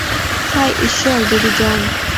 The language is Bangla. হায় ইশ্বর, বেবি জন।